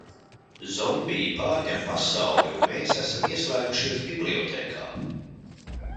Zombiji pārņem pasauli un mēs esam ieslēgušies bibliotēkā!